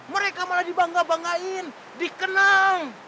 mereka malah dibangga banggain dikenang